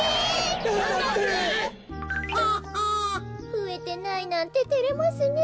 ふえてないなんててれますねえ。